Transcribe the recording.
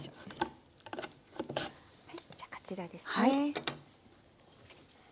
じゃあこちらですね。